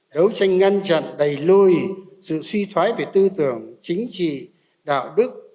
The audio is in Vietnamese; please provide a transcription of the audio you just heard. đấu tranh ngăn chặn đẩy lùi sự suy thoái về tư tưởng chính trị đạo đức